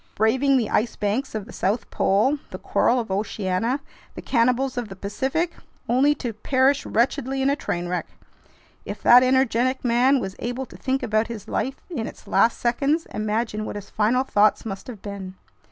Braving the ice banks of the South Pole, the coral of Oceania, the cannibals of the Pacific, only to perish wretchedly in a train wreck! If that energetic man was able to think about his life in its last seconds, imagine what his final thoughts must have been!"